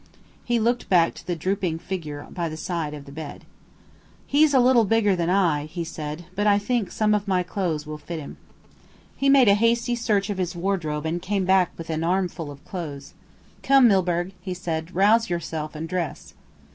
He looked back to the drooping figure by the side of the bed. "He's a little bigger than I," he said, "but I think some of my clothes will fit him." He made a hasty search of his wardrobe and came back with an armful of clothes. "Come, Milburgh," he said, "rouse yourself and dress."